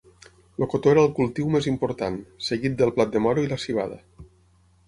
El cotó era el cultiu més important, seguit del blat de moro i la civada.